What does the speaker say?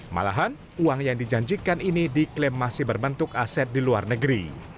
malahan uang yang dijanjikan ini diklaim masih berbentuk aset di luar negeri